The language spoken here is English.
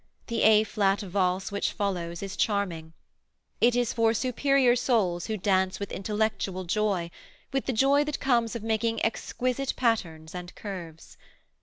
The A flat Valse which follows is charming. It is for superior souls who dance with intellectual joy, with the joy that comes of making exquisite patterns and curves.